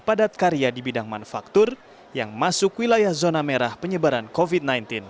padat karya di bidang manufaktur yang masuk wilayah zona merah penyebaran covid sembilan belas